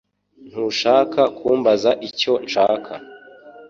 Ntushaka kumbaza icyo nshaka